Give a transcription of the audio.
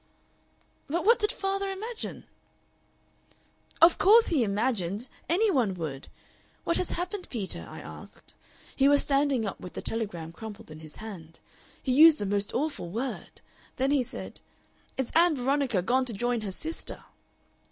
"But what did father imagine?" "Of course he imagined! Any one would! 'What has happened, Peter?' I asked. He was standing up with the telegram crumpled in his hand. He used a most awful word! Then he said, 'It's Ann Veronica gone to join her sister!